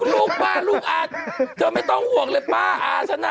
ลูกป้าลูกอาเธอไม่ต้องห่วงเลยป้าอาฉันน่ะ